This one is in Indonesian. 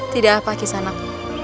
tidak apa kisanak